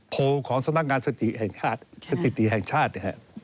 โพลของสถานการณ์สติติแห่งชาติ